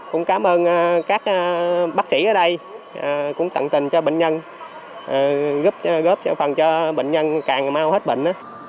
cũng cảm ơn các bác sĩ ở đây cũng tận tình cho bệnh nhân góp cho phần cho bệnh nhân càng mau hết bệnh